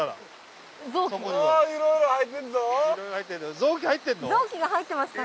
いろいろ入ってんだよ